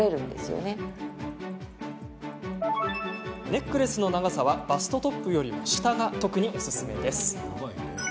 ネックレスの長さはバストトップよりも下が特におすすめです。